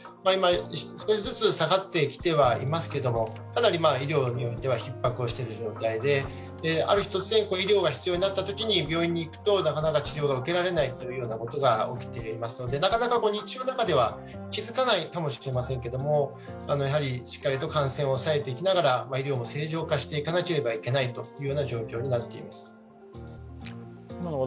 今、少しずつ下がってきてはいますがかなり医療によってはひっ迫をしている状態で、ある日突然医療が必要になったときに病院に行くとなかなか治療が受けられないということが起きていますのでなかなか日常の中では気づかないかもしれませんがしっかりと感染を抑えていきながら医療も正常化していかなければいけない状況になっています。